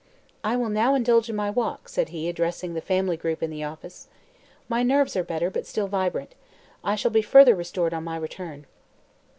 "I will now indulge in my walk," said he, addressing the family group in the office. "My nerves are better, but still vibrant. I shall be further restored on my return."